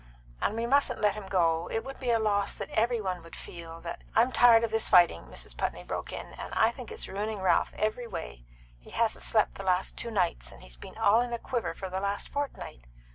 "And we mustn't let him go. It would be a loss that every one would feel; that " "I'm tired of this fighting," Mrs. Putney broke in, "and I think it's ruining Ralph every way. He hasn't slept the last two nights, and he's been all in a quiver for the last fortnight.